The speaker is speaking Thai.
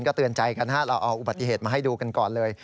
ก็เตือนใจกันเราเอาอุบัติเหตุมาให้ดูกันก่อนเลย